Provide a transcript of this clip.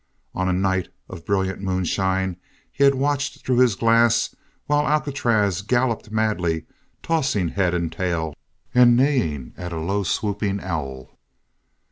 On a night of brilliant moonshine, he had watched through his glass while Alcatraz galloped madly, tossing head and tail, and neighing at a low swooping owl.